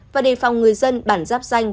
và để phòng người dân bản giáp danh